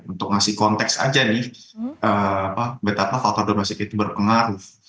untuk ngasih konteks aja nih betapa faktor domestik itu berpengaruh